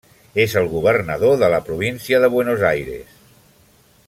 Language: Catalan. És el governador de la província de Buenos Aires.